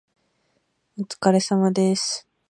お疲れ様です。